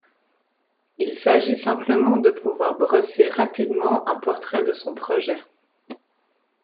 Il s'agit simplement de pouvoir brosser rapidement un portrait de son projet.